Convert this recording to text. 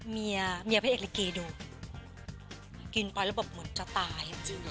เมียพ่อแก่เง่อยดกินไปแล้วเบิดเหมือนจะตาย